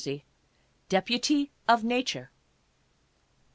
DEPUTY OF NATURE.